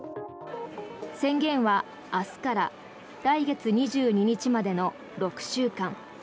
宣言は明日から来月２２日までの６週間。